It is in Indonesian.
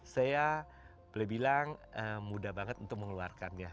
saya boleh bilang mudah banget untuk mengeluarkannya